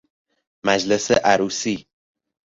مجلس عروسی